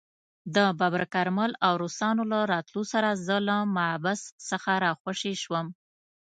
د ببرک کارمل او روسانو له راتلو سره زه له محبس څخه راخوشي شوم.